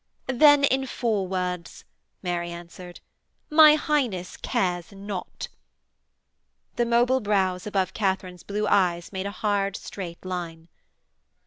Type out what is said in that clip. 'Then, in four words,' Mary answered, 'my Highness cares not.' The mobile brows above Katharine's blue eyes made a hard straight line.